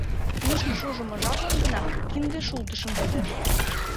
Мӱшкыр шужымо жаплан гына кинде шултышым йодеш.